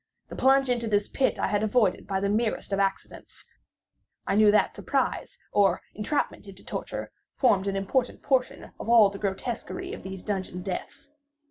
The plunge into this pit I had avoided by the merest of accidents, I knew that surprise, or entrapment into torment, formed an important portion of all the grotesquerie of these dungeon deaths.